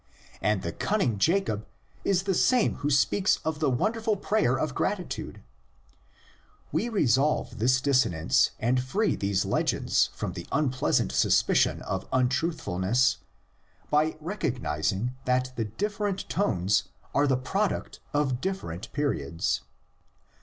And the cunning Jacob is the same who speaks the wonderful prayer of gratitude! We resolve this dissonance and free these legends from the unpleasant suspicion of untruthfulness by recog nising that the different tones are the product of different periods.